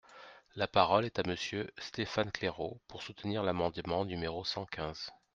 La parole est à Monsieur Stéphane Claireaux, pour soutenir l’amendement numéro cent quinze.